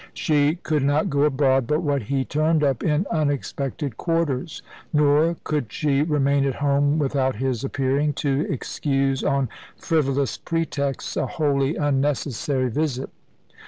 She could not go abroad but what he turned up in unexpected quarters, nor could she remain at home without his appearing, to excuse, on frivolous pretexts, a wholly unnecessary visit.